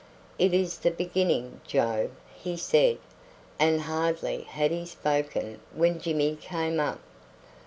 "It is the beginning, Joe," he said; and hardly had he spoken when Jimmy came up.